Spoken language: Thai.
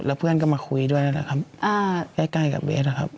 แล้วเพื่อนก็มาคุยด้วยนะครับใกล้กับเบสครับ